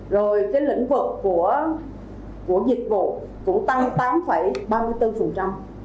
rồi cái lĩnh vực của dịch vụ cũng tăng tám ba mươi bốn